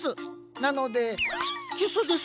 なのでキスです！